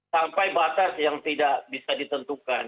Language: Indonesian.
sampai batas yang tidak bisa ditentukan